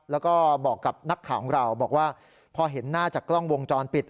แล้วก็บอกกับนักข่าวของเราบอกว่าพอเห็นหน้าจากกล้องวงจรปิด